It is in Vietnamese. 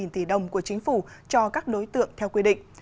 sáu mươi hai tỷ đồng của chính phủ cho các đối tượng theo quy định